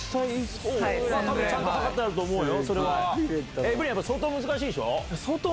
多分ちゃんと測ってると思うよ。